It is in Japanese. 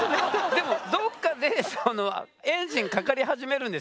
でもどっかでエンジンかかり始めるんですよね？